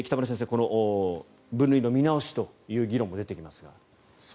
この分類の見直しという議論も出てきますが。